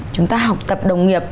chúng ta học tập đồng nghiệp